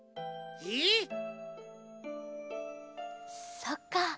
そっか